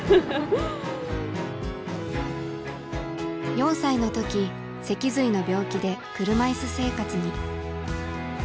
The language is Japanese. ４歳の時脊髄の病気で車いす生活に。